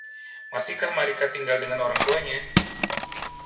Masihkah Marika tinggal dengan orang tuanya?